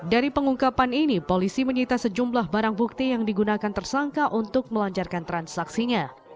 dari pengungkapan ini polisi menyita sejumlah barang bukti yang digunakan tersangka untuk melancarkan transaksinya